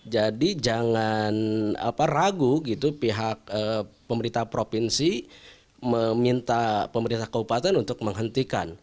jadi jangan ragu pihak pemerintah provinsi meminta pemerintah kabupaten untuk menghentikan